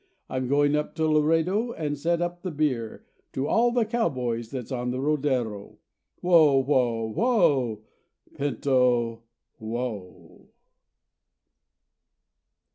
I'm going up to Laredo and set up the beer To all the cowboys that's on the rodero. Whoa! Whoa! Whoa! Pinto, whoa!